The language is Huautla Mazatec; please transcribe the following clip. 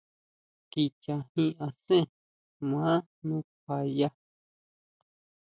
Kicha jin asen ʼma nukjuaya.